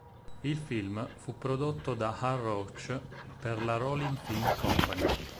Il film fu prodotto da Hal Roach per la Rolin Film Company.